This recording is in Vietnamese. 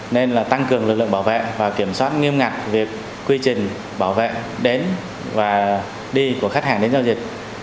nên là tăng cường lực lượng bảo vệ và kiểm soát nghiêm ngặt về quy trình bảo vệ đến và đi của khách hàng đến giao dịch